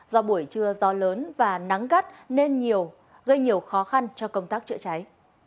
do buổi trưa gió lớn và nắng gắt nên nhiều gây nhiều khó khăn cho công tác chữa cháy